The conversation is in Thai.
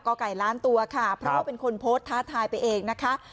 ก็ไก่ล้านตัวค่ะเพราะว่าเป็นคนโพสต์ท้าทายไปเองนะคะ